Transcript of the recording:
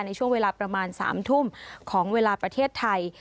ในช่วงเวลาประมาณ๓ทุ่มของเวลาประเทศไทย